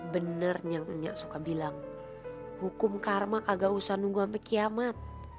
bener yang nenek suka bilang hukum karma kagak usah nunggu sampe kiamat